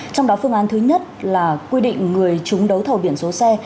trong đó phương án thứ nhất là quy định người chúng đấu thầu biển số xe